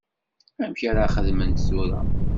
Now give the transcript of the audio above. Amek ara xedment tura?